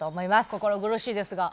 心苦しいですが。